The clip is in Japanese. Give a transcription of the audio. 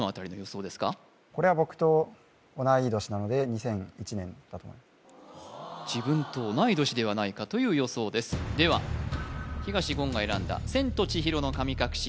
こちらは自分と同い年ではないかという予想ですでは東言が選んだ「千と千尋の神隠し」